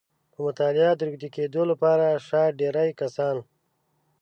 په مطالعې د روږدي کېدو لپاره شاید ډېری کسان